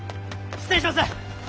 失礼します。